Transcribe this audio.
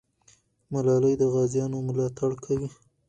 ملالۍ د غازیانو ملاتړ کوي.